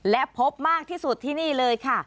และพบมากที่สุดที่นี่เลยค่ะ